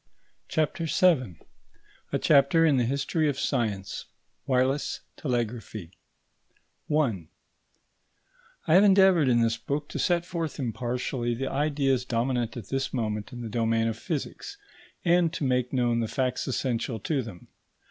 CHAPTER VII A CHAPTER IN THE HISTORY OF SCIENCE: WIRELESS TELEGRAPHY § 1 I have endeavoured in this book to set forth impartially the ideas dominant at this moment in the domain of physics, and to make known the facts essential to them.